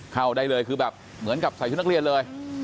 เข้าได้เลยคือแบบเหมือนกับใส่ชุดนักเรียนเลย